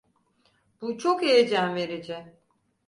Bu çok heyecan verici.